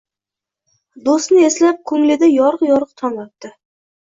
Do‘stni eslab ko‘nglida yorug‘-yorug‘ tong otdi